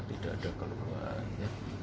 tidak ada keluarnya